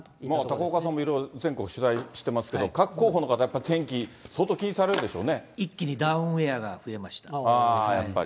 高岡さんも、全国取材されてますけれども、各候補の方、やっぱり天気、相当気一気にダウンウエアが増えまやっぱり。